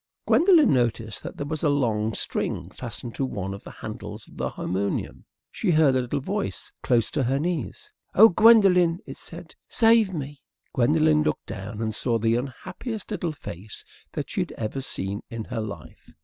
Gwendolen noticed that there was a long string fastened to one of the handles of the harmonium. She heard a little voice close to her knees. "Oh, Gwendolen," it said, "save me." Gwendolen looked down and saw the unhappiest little face that she had ever seen in her life.